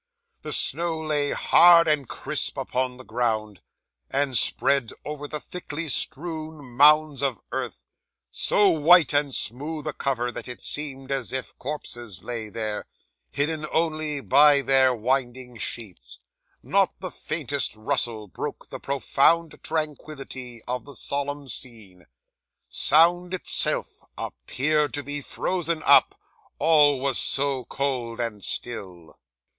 The snow lay hard and crisp upon the ground; and spread over the thickly strewn mounds of earth, so white and smooth a cover that it seemed as if corpses lay there, hidden only by their winding sheets. Not the faintest rustle broke the profound tranquillity of the solemn scene. Sound itself appeared to be frozen up, all was so cold and still.